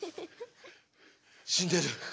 死んでる。